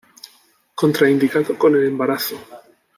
Contraindicado con el embarazo.